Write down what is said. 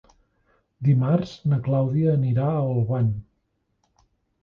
Dimarts na Clàudia anirà a Olvan.